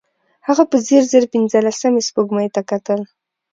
هغه په ځير ځير پينځلسمې سپوږمۍ ته کتل.